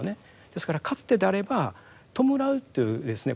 ですからかつてであれば弔うっていうですね